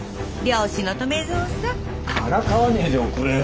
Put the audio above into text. からかわねえでおくれよ。